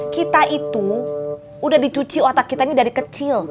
kita itu udah dicuci otak kita ini dari kecil